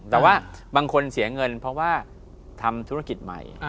แต่ว่าบางคนเสียเงินเพราะว่าทำธุรกิจใหม่